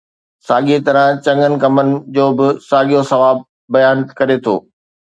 ساڳيءَ طرح چڱن ڪمن جو به ساڳيو ثواب بيان ڪري ٿو.